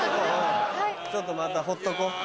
ちょっとまたほっとこう。